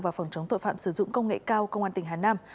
và phòng chống tội phạm sử dụng công nghệ cao công an tỉnh hà nam